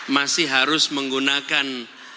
masih harus menggunakan